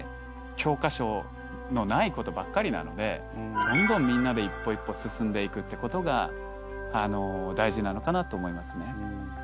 教科書のないことばっかりなのでどんどんみんなで一歩一歩進んでいくってことが大事なのかなと思いますね。